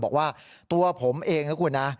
บอกว่าตัวผมเองนะคุณนะ